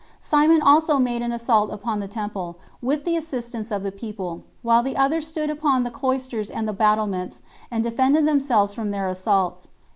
Simon also made an assault upon the temple, with the assistance of the people, while the others stood upon the cloisters and the battlements, and defended themselves from their assaults.